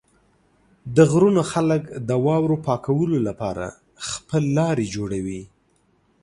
د غرونو خلک د واورو پاکولو لپاره خپل لارې جوړوي.